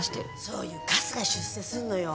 そういうカスが出世するのよ。